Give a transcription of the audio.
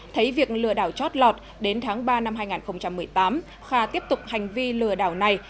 thấy việc lừa đảo chót lọt đến tháng ba năm hai nghìn một mươi tám kha tiếp tục hành vi lừa đảo này